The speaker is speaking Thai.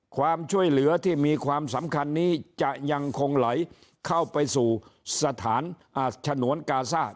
ความช่วยเหลือที่มีความสำคัญนี้จะยังคงไหลเข้าไปสู่สถานฉนวนกาซ่า